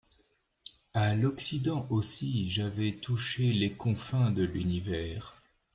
À l’occident aussi, j’avais touché les confins de l’univers.